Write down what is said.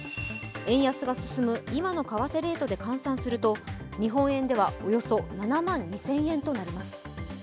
円安が進む今の為替レートで換算すると日本円では、およそ７万２０００円となります。